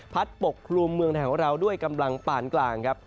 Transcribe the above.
ปกครุมเมืองไทยของเราด้วยกำลังปานกลางครับ